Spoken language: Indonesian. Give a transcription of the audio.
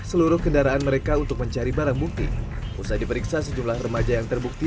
seluruh kendaraan mereka untuk mencari barang bukti usai diperiksa sejumlah remaja yang terbukti